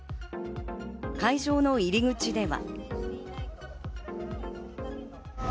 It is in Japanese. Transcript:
会場の入り口では。